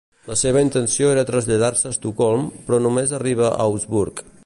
La seva intenció era traslladar-se a Estocolm, però només arriba a Augsburg.